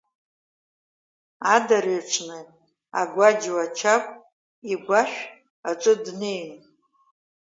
Адырҩаҽны Агәаџьуа Чагә игәашә аҿы днеин…